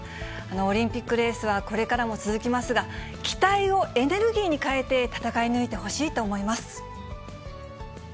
オリンピックレースはこれからも続きますが、期待をエネルギーに変えて戦い抜いてほしいと思います。